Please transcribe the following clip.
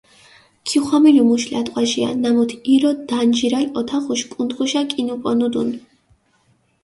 ქიხვამილუ მუშ ლატყვაჟია, ნამუთ ირო დანჯირალ ოთახუშ კუნთხუშა კინუპონუდუნ.